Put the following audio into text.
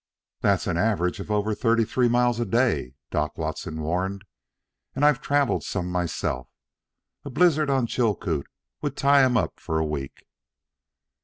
"That's an average of over thirty three miles a day," Doc Watson warned, "and I've travelled some myself. A blizzard on Chilcoot would tie him up for a week."